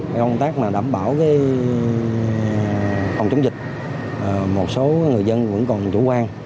công tác mà đảm bảo cái phòng chống dịch một số người dân vẫn còn chủ quan